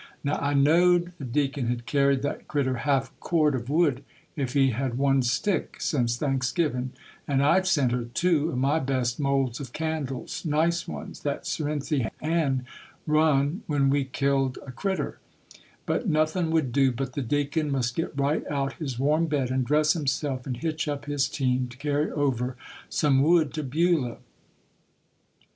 Now I know'd the Deacon had carried that critter half a cord of wood, if he had one stick, since Thanksgivin', and I'd sent her two o' my best moulds of candles,—nice ones that Cerinthy Ann run when we killed a crittur; but nothin' would do but the Deacon must get right out his warm bed and dress himself, and hitch up his team to carry over some wood to Beulah.